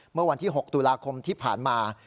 เมื่อวันที่๖ตุลาคมที่ผ่านมา